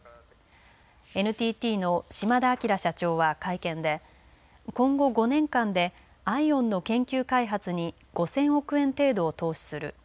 ＮＴＴの島田明社長は会見で今後５年間でＩＯＷＮの研究開発に５０００億円程度を投資する。